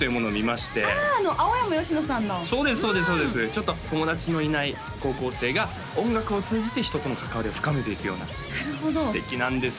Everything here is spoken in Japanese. ちょっと友達のいない高校生が音楽を通じて人との関わりを深めていくようななるほど素敵なんですよ